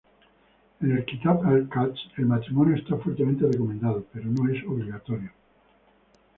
En el Kitáb-i-Aqdas el matrimonio está fuertemente recomendado, pero no es obligatorio.